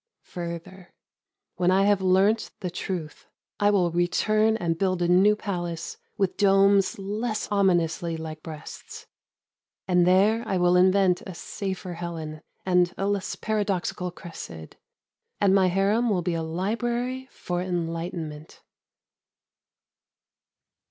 Further. When I have learnt the truth, I will return and build a new palace with domes less ominously like breasts, and there I will invent a safer Helen and a less paradoxical Cressid, and my harem will be a library for enlightenment.